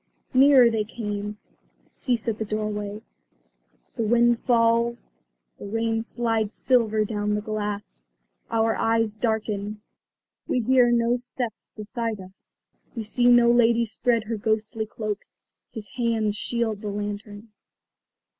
Nearer they come; cease at the doorway. The wind falls, the rain slides silver down the glass. Our eyes darken; we hear no steps beside us; we see no lady spread her ghostly cloak. His hands shield the lantern.